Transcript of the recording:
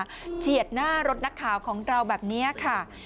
เฉียดหน้ารถนักข่าวของเราแบบนี้ค่ะ